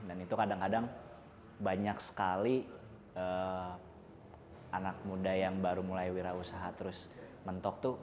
dan itu kadang kadang banyak sekali anak muda yang baru mulai wira usaha terus mentok tuh